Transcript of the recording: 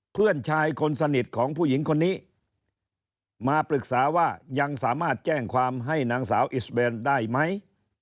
เพื่อนชายคนสนิทของผู้หญิงคนนี้มาปรึกษาว่ายังสามารถแจ้งความให้นางสาวอิสเบนได้ไหม